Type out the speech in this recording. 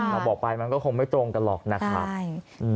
ถ้าบอกไปมันก็คงไม่ตรงกันหรอกนะครับ